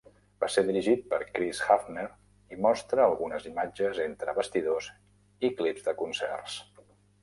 Va ser dirigit per Chris Hafner i mostra algunes imatges entre bastidors i clips de concerts.